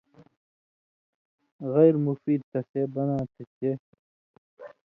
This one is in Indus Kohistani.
غیر مفید تسے بناں تھہ چے